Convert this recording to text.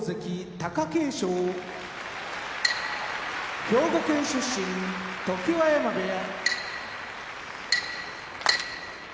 貴景勝兵庫県出身常盤山部屋